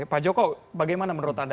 pak joko bagaimana menurut anda